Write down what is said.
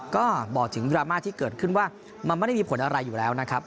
ก็บอกถึงดราม่าที่เกิดขึ้นว่ามันไม่ได้มีผลอะไรอยู่แล้วนะครับ